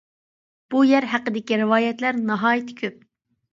بۇ يەر ھەققىدىكى رىۋايەتلەر ناھايىتى كۆپ.